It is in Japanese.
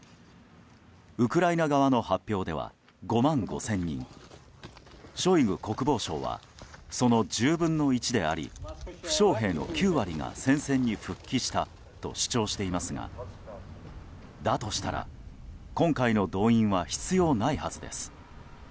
ウクライナ側の発表では５万５０００人ショイグ国防相はその１０分の１であり負傷兵の９割が戦線に復帰したと主張していますがだとしたら今回の動員は必要ないはずです。